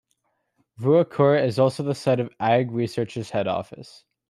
Ruakura is also the site of AgResearch's head office.